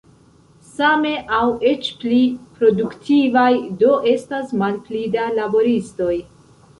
Same aŭ eĉ pli produktivaj do estas malpli da laboristoj.